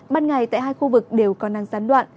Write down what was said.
ban ngày tại hai khu vực đều có năng gián đoạn